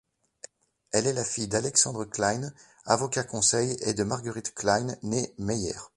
Elle est la fille d'Alexandre Klein, avocat conseil, et de Marguerite Klein née Meyer.